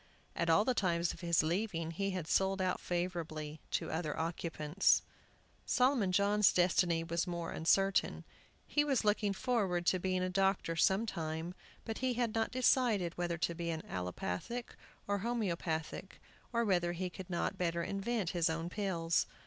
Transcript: At all the times of his leaving he had sold out favorably to other occupants. Solomon John's destiny was more uncertain. He was looking forward to being a doctor some time, but he had not decided whether to be allopathic or homeopathic, or whether he could not better invent his own pills.